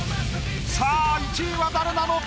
さぁ１位は誰なのか？